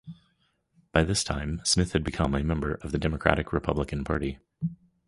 By this time, Smith had become a member of the Democratic-Republican Party.